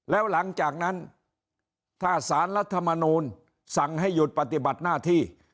แล้วหลังจากนั้นถ้าสารรัฐมนูลสั่งให้หยุดปฏิบัติหน้าที่